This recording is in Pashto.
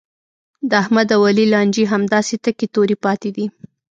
د احمد او علي لانجې همداسې تکې تورې پاتې دي.